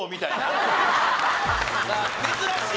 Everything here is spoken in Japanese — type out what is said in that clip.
珍しい！